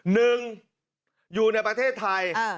หนึ่งอยู่ในประเทศไทย